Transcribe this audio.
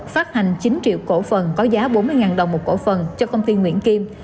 phát hành chín triệu cổ phần có giá bốn mươi đồng một cổ phần cho công ty nguyễn kim